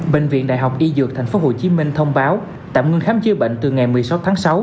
bệnh viện đại học y dược tp hcm thông báo tạm ngưng khám chữa bệnh từ ngày một mươi sáu tháng sáu